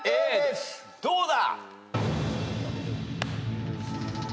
どうだ？